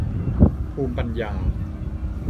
ภูมิปัญญา